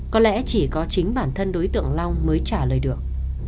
có lẽ chỉ có chính bản thân đối tượng long mới trả lời được